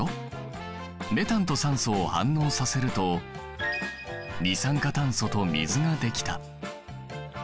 メタンと酸素を反応させると二酸化炭素と水ができた。